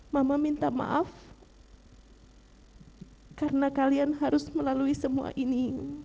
mama minta maaf karena kalian harus melalui semua ini